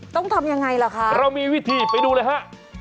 ต้องทำอย่างไรหรือคะเรามีวิธีไปดูเลยฮะ